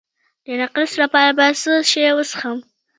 د نقرس لپاره باید څه شی وڅښم؟